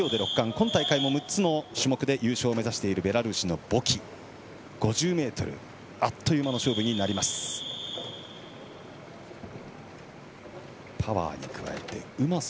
今大会でも６つの種目で優勝を目指しているベラルーシのボキ、５０ｍあっという間の勝負になります。